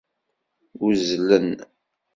Uzzlen